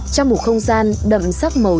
trong một không gian đậm sắc màu